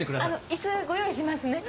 椅子ご用意しますね。